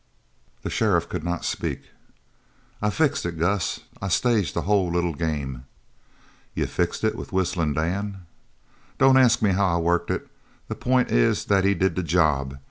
The sheriff could not speak. "I fixed it, Gus. I staged the whole little game." "You fixed it with Whistlin' Dan?" "Don't ask me how I worked it. The pint is that he did the job.